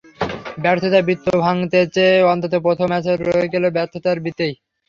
ব্যর্থতার বৃত্ত ভাঙতে চেয়ে অন্তত প্রথম ম্যাচেও রয়ে গেলেন ব্যর্থতার বৃত্তেই।